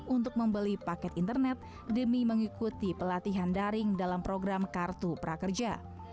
untuk membeli paket internet demi mengikuti pelatihan daring dalam program kartu prakerja